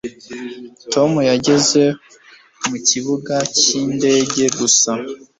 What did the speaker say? tom yageze ku kibuga cyindege gusa